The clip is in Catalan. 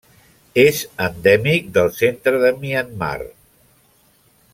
És endèmic del centre de Myanmar.